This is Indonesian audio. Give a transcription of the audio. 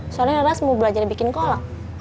soalnya las mau belajar bikin kolak